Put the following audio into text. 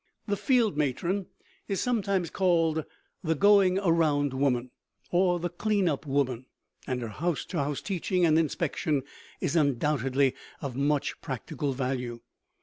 The field matron is sometimes called the "Going around woman," or the "Clean up woman," and her house to house teaching and inspection is undoubtedly of much practical value.